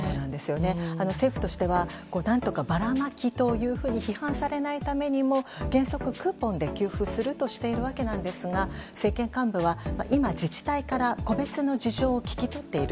政府としては何とかばらまきというふうに批判されないためにも原則クーポンで給付するとしていますが政権幹部は今、自治体から個別の事情を聞き取っている。